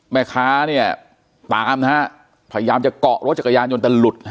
แม่ค้าเนี่ยตามนะฮะพยายามจะเกาะรถจากกระยานจนจะหลุดนะฮะ